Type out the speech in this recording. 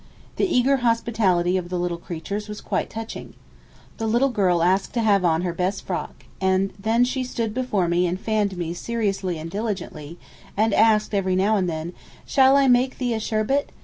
The eager hospitality of the little creatures was quite touching. The little girl asked to have on her best frock, and then she stood before me and fanned me seriously and diligently, and asked every now and then, 'Shall I make thee a sherbet?